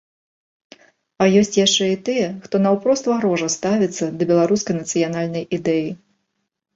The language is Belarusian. А ёсць яшчэ і тыя, хто наўпрост варожа ставіцца да беларускай нацыянальнай ідэі.